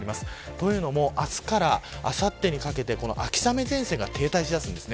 というのも、明日からあさってにかけて秋雨前線が停滞しだします。